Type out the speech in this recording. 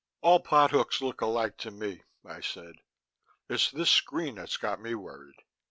"All pot hooks look alike to me," I said. "It's this screen that's got me worried.